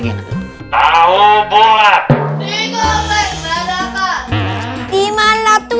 tiga perut berat apa